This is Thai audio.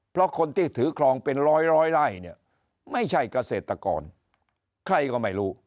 เพราะคนที่ถือครองเป็นร้อยร้อยไล่เนี่ยไม่ใช่เกษตรกรใครก็ไม่รู้